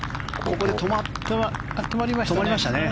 ここで止まりましたね。